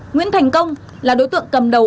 nguyễn thành công là đối tượng cầm đầu